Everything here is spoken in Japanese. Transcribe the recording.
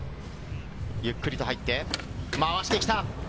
ゆっくりと入って、回してきた。